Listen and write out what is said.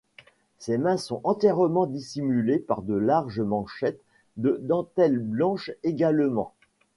Ses mains sont entièrement dissimulées par de larges manchettes, de dentelles blanches également.